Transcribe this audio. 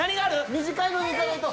短いのでいかないと。